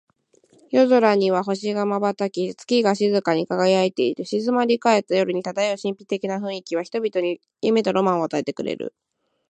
夜空には星が瞬き、月が静かに輝いている。静まり返った夜に漂う神秘的な雰囲気は、人々に夢とロマンを与えてくれる。